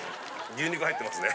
牛肉入ってますね。